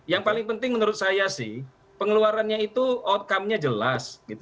yang paling penting menurut saya sih pengeluarannya itu outcome nya jelas